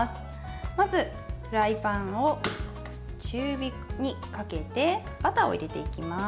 まずフライパンを中火にかけてバターを入れていきます。